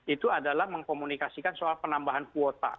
itu adalah mengkomunikasikan soal penambahan kuota